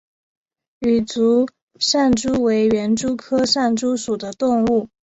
羽足扇蛛为园蛛科扇蛛属的动物。